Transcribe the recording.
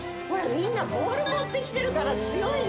みんなボウル持ってきてるから強いね